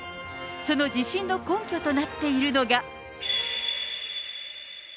その自信の根拠となっているのが。